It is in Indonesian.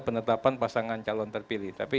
penetapan pasangan calon terpilih tapi